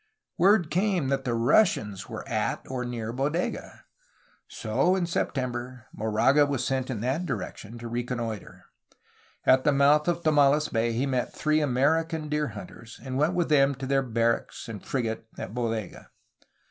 Word came that the Russians were at or near Bodega. So, in September, Moraga was sent in that direction to recon noitre. At the mouth of Tomales Bay he met three American deer hunters, and went with them to their barracks and fri gate at Bodega.